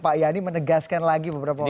pak yani menegaskan lagi beberapa waktu